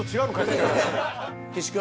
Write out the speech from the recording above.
岸君。